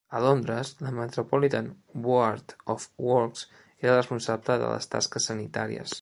A Londres, la Metropolitan Board of Works era la responsable de les tasques sanitàries.